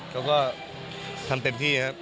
เขาก็ทำเต็มที่ครับ